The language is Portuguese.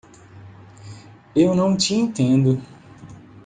Eu não te entendo.